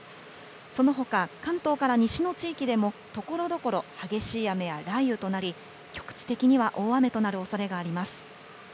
そのほか、関東から西の地域でも、ところどころ激しい雨や雷雨となり、局地的には大雨となるおそれがあります。